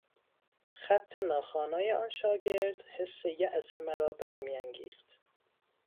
خط ناخوانای آن شاگرد حس یاس مرا برمیانگیخت.